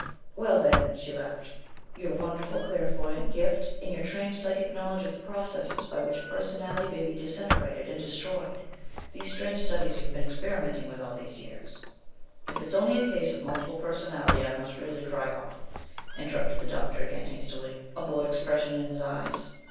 "Well, then," she laughed, "your wonderful clairvoyant gift and your trained psychic knowledge of the processes by which a personality may be disintegrated and destroyed these strange studies you've been experimenting with all these years " "If it's only a case of multiple personality I must really cry off," interrupted the doctor again hastily, a bored expression in his eyes.